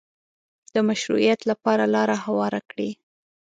د مشروعیت لپاره لاره هواره کړي